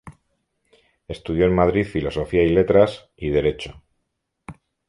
Estudió en Madrid Filosofía y Letras y Derecho.